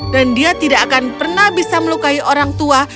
dan dia tidak akan pernah bisa melukai orang tua